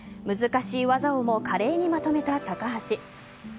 難しい技をも華麗にまとめた高橋。